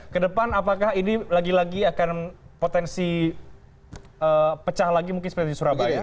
kedepan apakah ini lagi lagi akan potensi pecah lagi mungkin seperti di surabaya